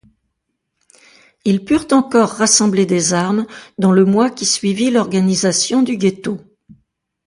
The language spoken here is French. Ils purent encore rassembler des armes dans le mois qui suivit l'organisation du ghetto.